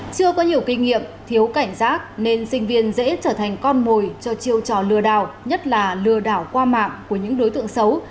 chưa có nhiều kinh nghiệm thiếu cảnh giác nên sinh viên dễ trở thành con mồi cho chiêu trò lừa đảo nhất là lừa đảo qua mạng của những đối tượng xấu